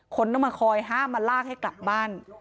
คนต้องมาคอยห้ามมาลากให้กลับบ้าน